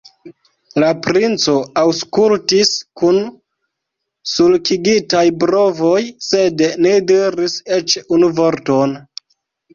La princo aŭskultis kun sulkigitaj brovoj, sed ne diris eĉ unu vorton.